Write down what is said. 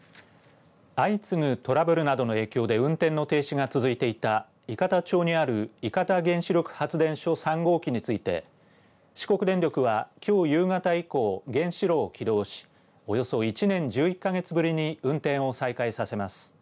相次ぐトラブルなどの影響で運転の停止が続いていた伊方町にある伊方原子力発電所３号機について四国電力はきょう夕方以降、原子炉を起動しおよそ１年１１か月ぶりに運転を再開させます。